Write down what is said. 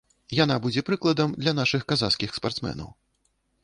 Яна будзе прыкладам для нашых казахскіх спартсменаў.